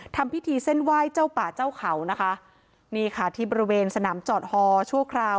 ทำพิธีเส้นไหว้เจ้าป่าเจ้าเขานะคะนี่ค่ะที่บริเวณสนามจอดฮอชั่วคราว